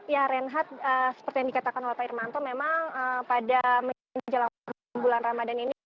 ya reinhard seperti yang dikatakan oleh pak irmanto memang pada menjelang bulan ramadan ini